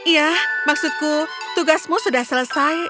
iya maksudku tugasmu sudah selesai